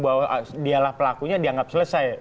bahwa dialah pelakunya dianggap selesai